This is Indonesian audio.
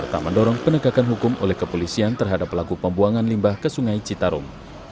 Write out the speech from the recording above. bahkan hukum oleh kepolisian terhadap pelaku pembuangan limbah ke sungai citarum